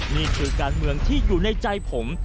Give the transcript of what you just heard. นี่คือการเมืองที่อยู่ในใจผม